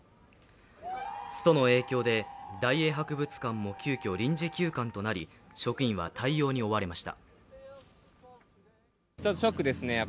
ストの影響で大英博物館も急きょ、臨時休館となり職員は対応に追われました。